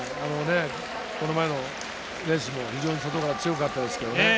この前のレースも非常に強かったですけどね。